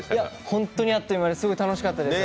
本当にあっという間ですごい楽しかったです。